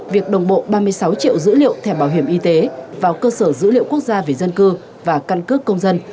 việc đồng bộ ba mươi sáu triệu dữ liệu thẻ bảo hiểm y tế vào cơ sở dữ liệu quốc gia về dân cư và căn cước công dân